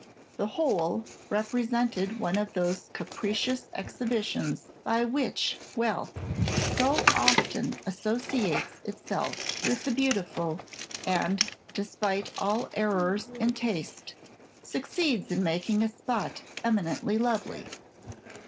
The whole represented one of those capricious exhibitions by which wealth so often associates itself with the beautiful, and, despite all errors in taste, succeeds in making a spot eminently lovely.